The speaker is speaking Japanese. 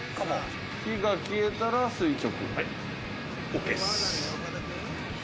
火が消えたら垂直。